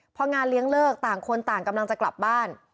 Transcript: พองานเลี้ยงเลิกต่างคนต่างกำลังจะกลับบ้าน